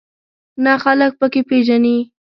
نه خلک په کې پېژنې.